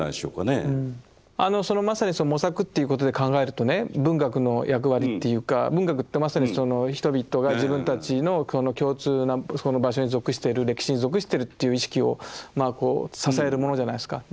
あのそのまさにその模索っていうことで考えるとね文学の役割っていうか文学ってまさにその人々が自分たちの共通なそこの場所に属してる歴史に属してるという意識をまあこう支えるものじゃないですか。